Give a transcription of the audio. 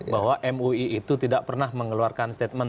bahwa mui itu tidak pernah mengeluarkan statement